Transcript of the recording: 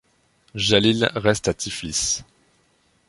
Jalil reste à Tiflis.